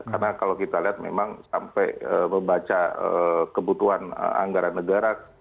karena kalau kita lihat memang sampai membaca kebutuhan anggaran negara